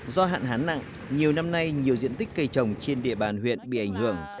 do hạn hán nặng nhiều năm nay nhiều diện tích cây trồng trên địa bàn huyện bị ảnh hưởng